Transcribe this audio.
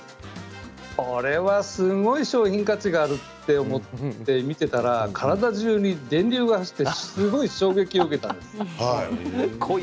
これはすごい商品価値があると思って見ていたら体中に電流が走ってすごい衝撃を受けたんです。